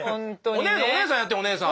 お姉さんお姉さんやってお姉さん。